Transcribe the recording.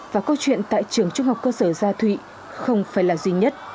và câu chuyện tại trường trung học cơ sở gia thụy không phải là duy nhất